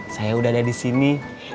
saya udah ada disini